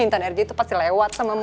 intan rj itu pasti lewat sama mama